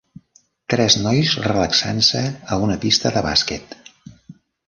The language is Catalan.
Tres nois relaxant-se a una pista de bàsquet.